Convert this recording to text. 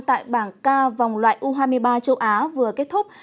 tại bảng k vòng loại u hai mươi ba châu á vừa kết thúc